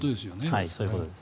そういうことです。